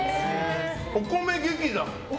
お米劇団。